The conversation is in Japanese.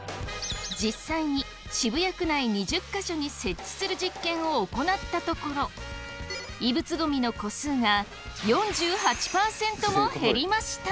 実際に渋谷区内２０か所に設置する実験を行ったところ異物ゴミの個数が４８％も減りました！